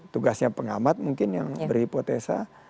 tugasnya pengamat mungkin yang berhipotesa